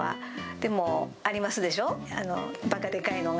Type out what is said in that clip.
でも、ありますでしょ、あのばかでかいのが。